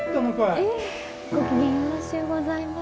ええご機嫌よろしゅうございます。